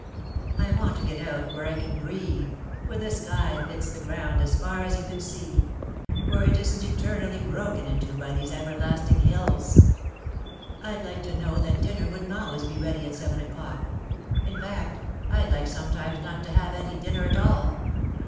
I want to get out where I can breathe, where the sky fits the ground as far as you can see where it isn't eternally broken into by these everlasting hills. I'd like to know that dinner wouldn't always be ready at seven o'clock in fact, I'd like sometimes not to have any dinner at all.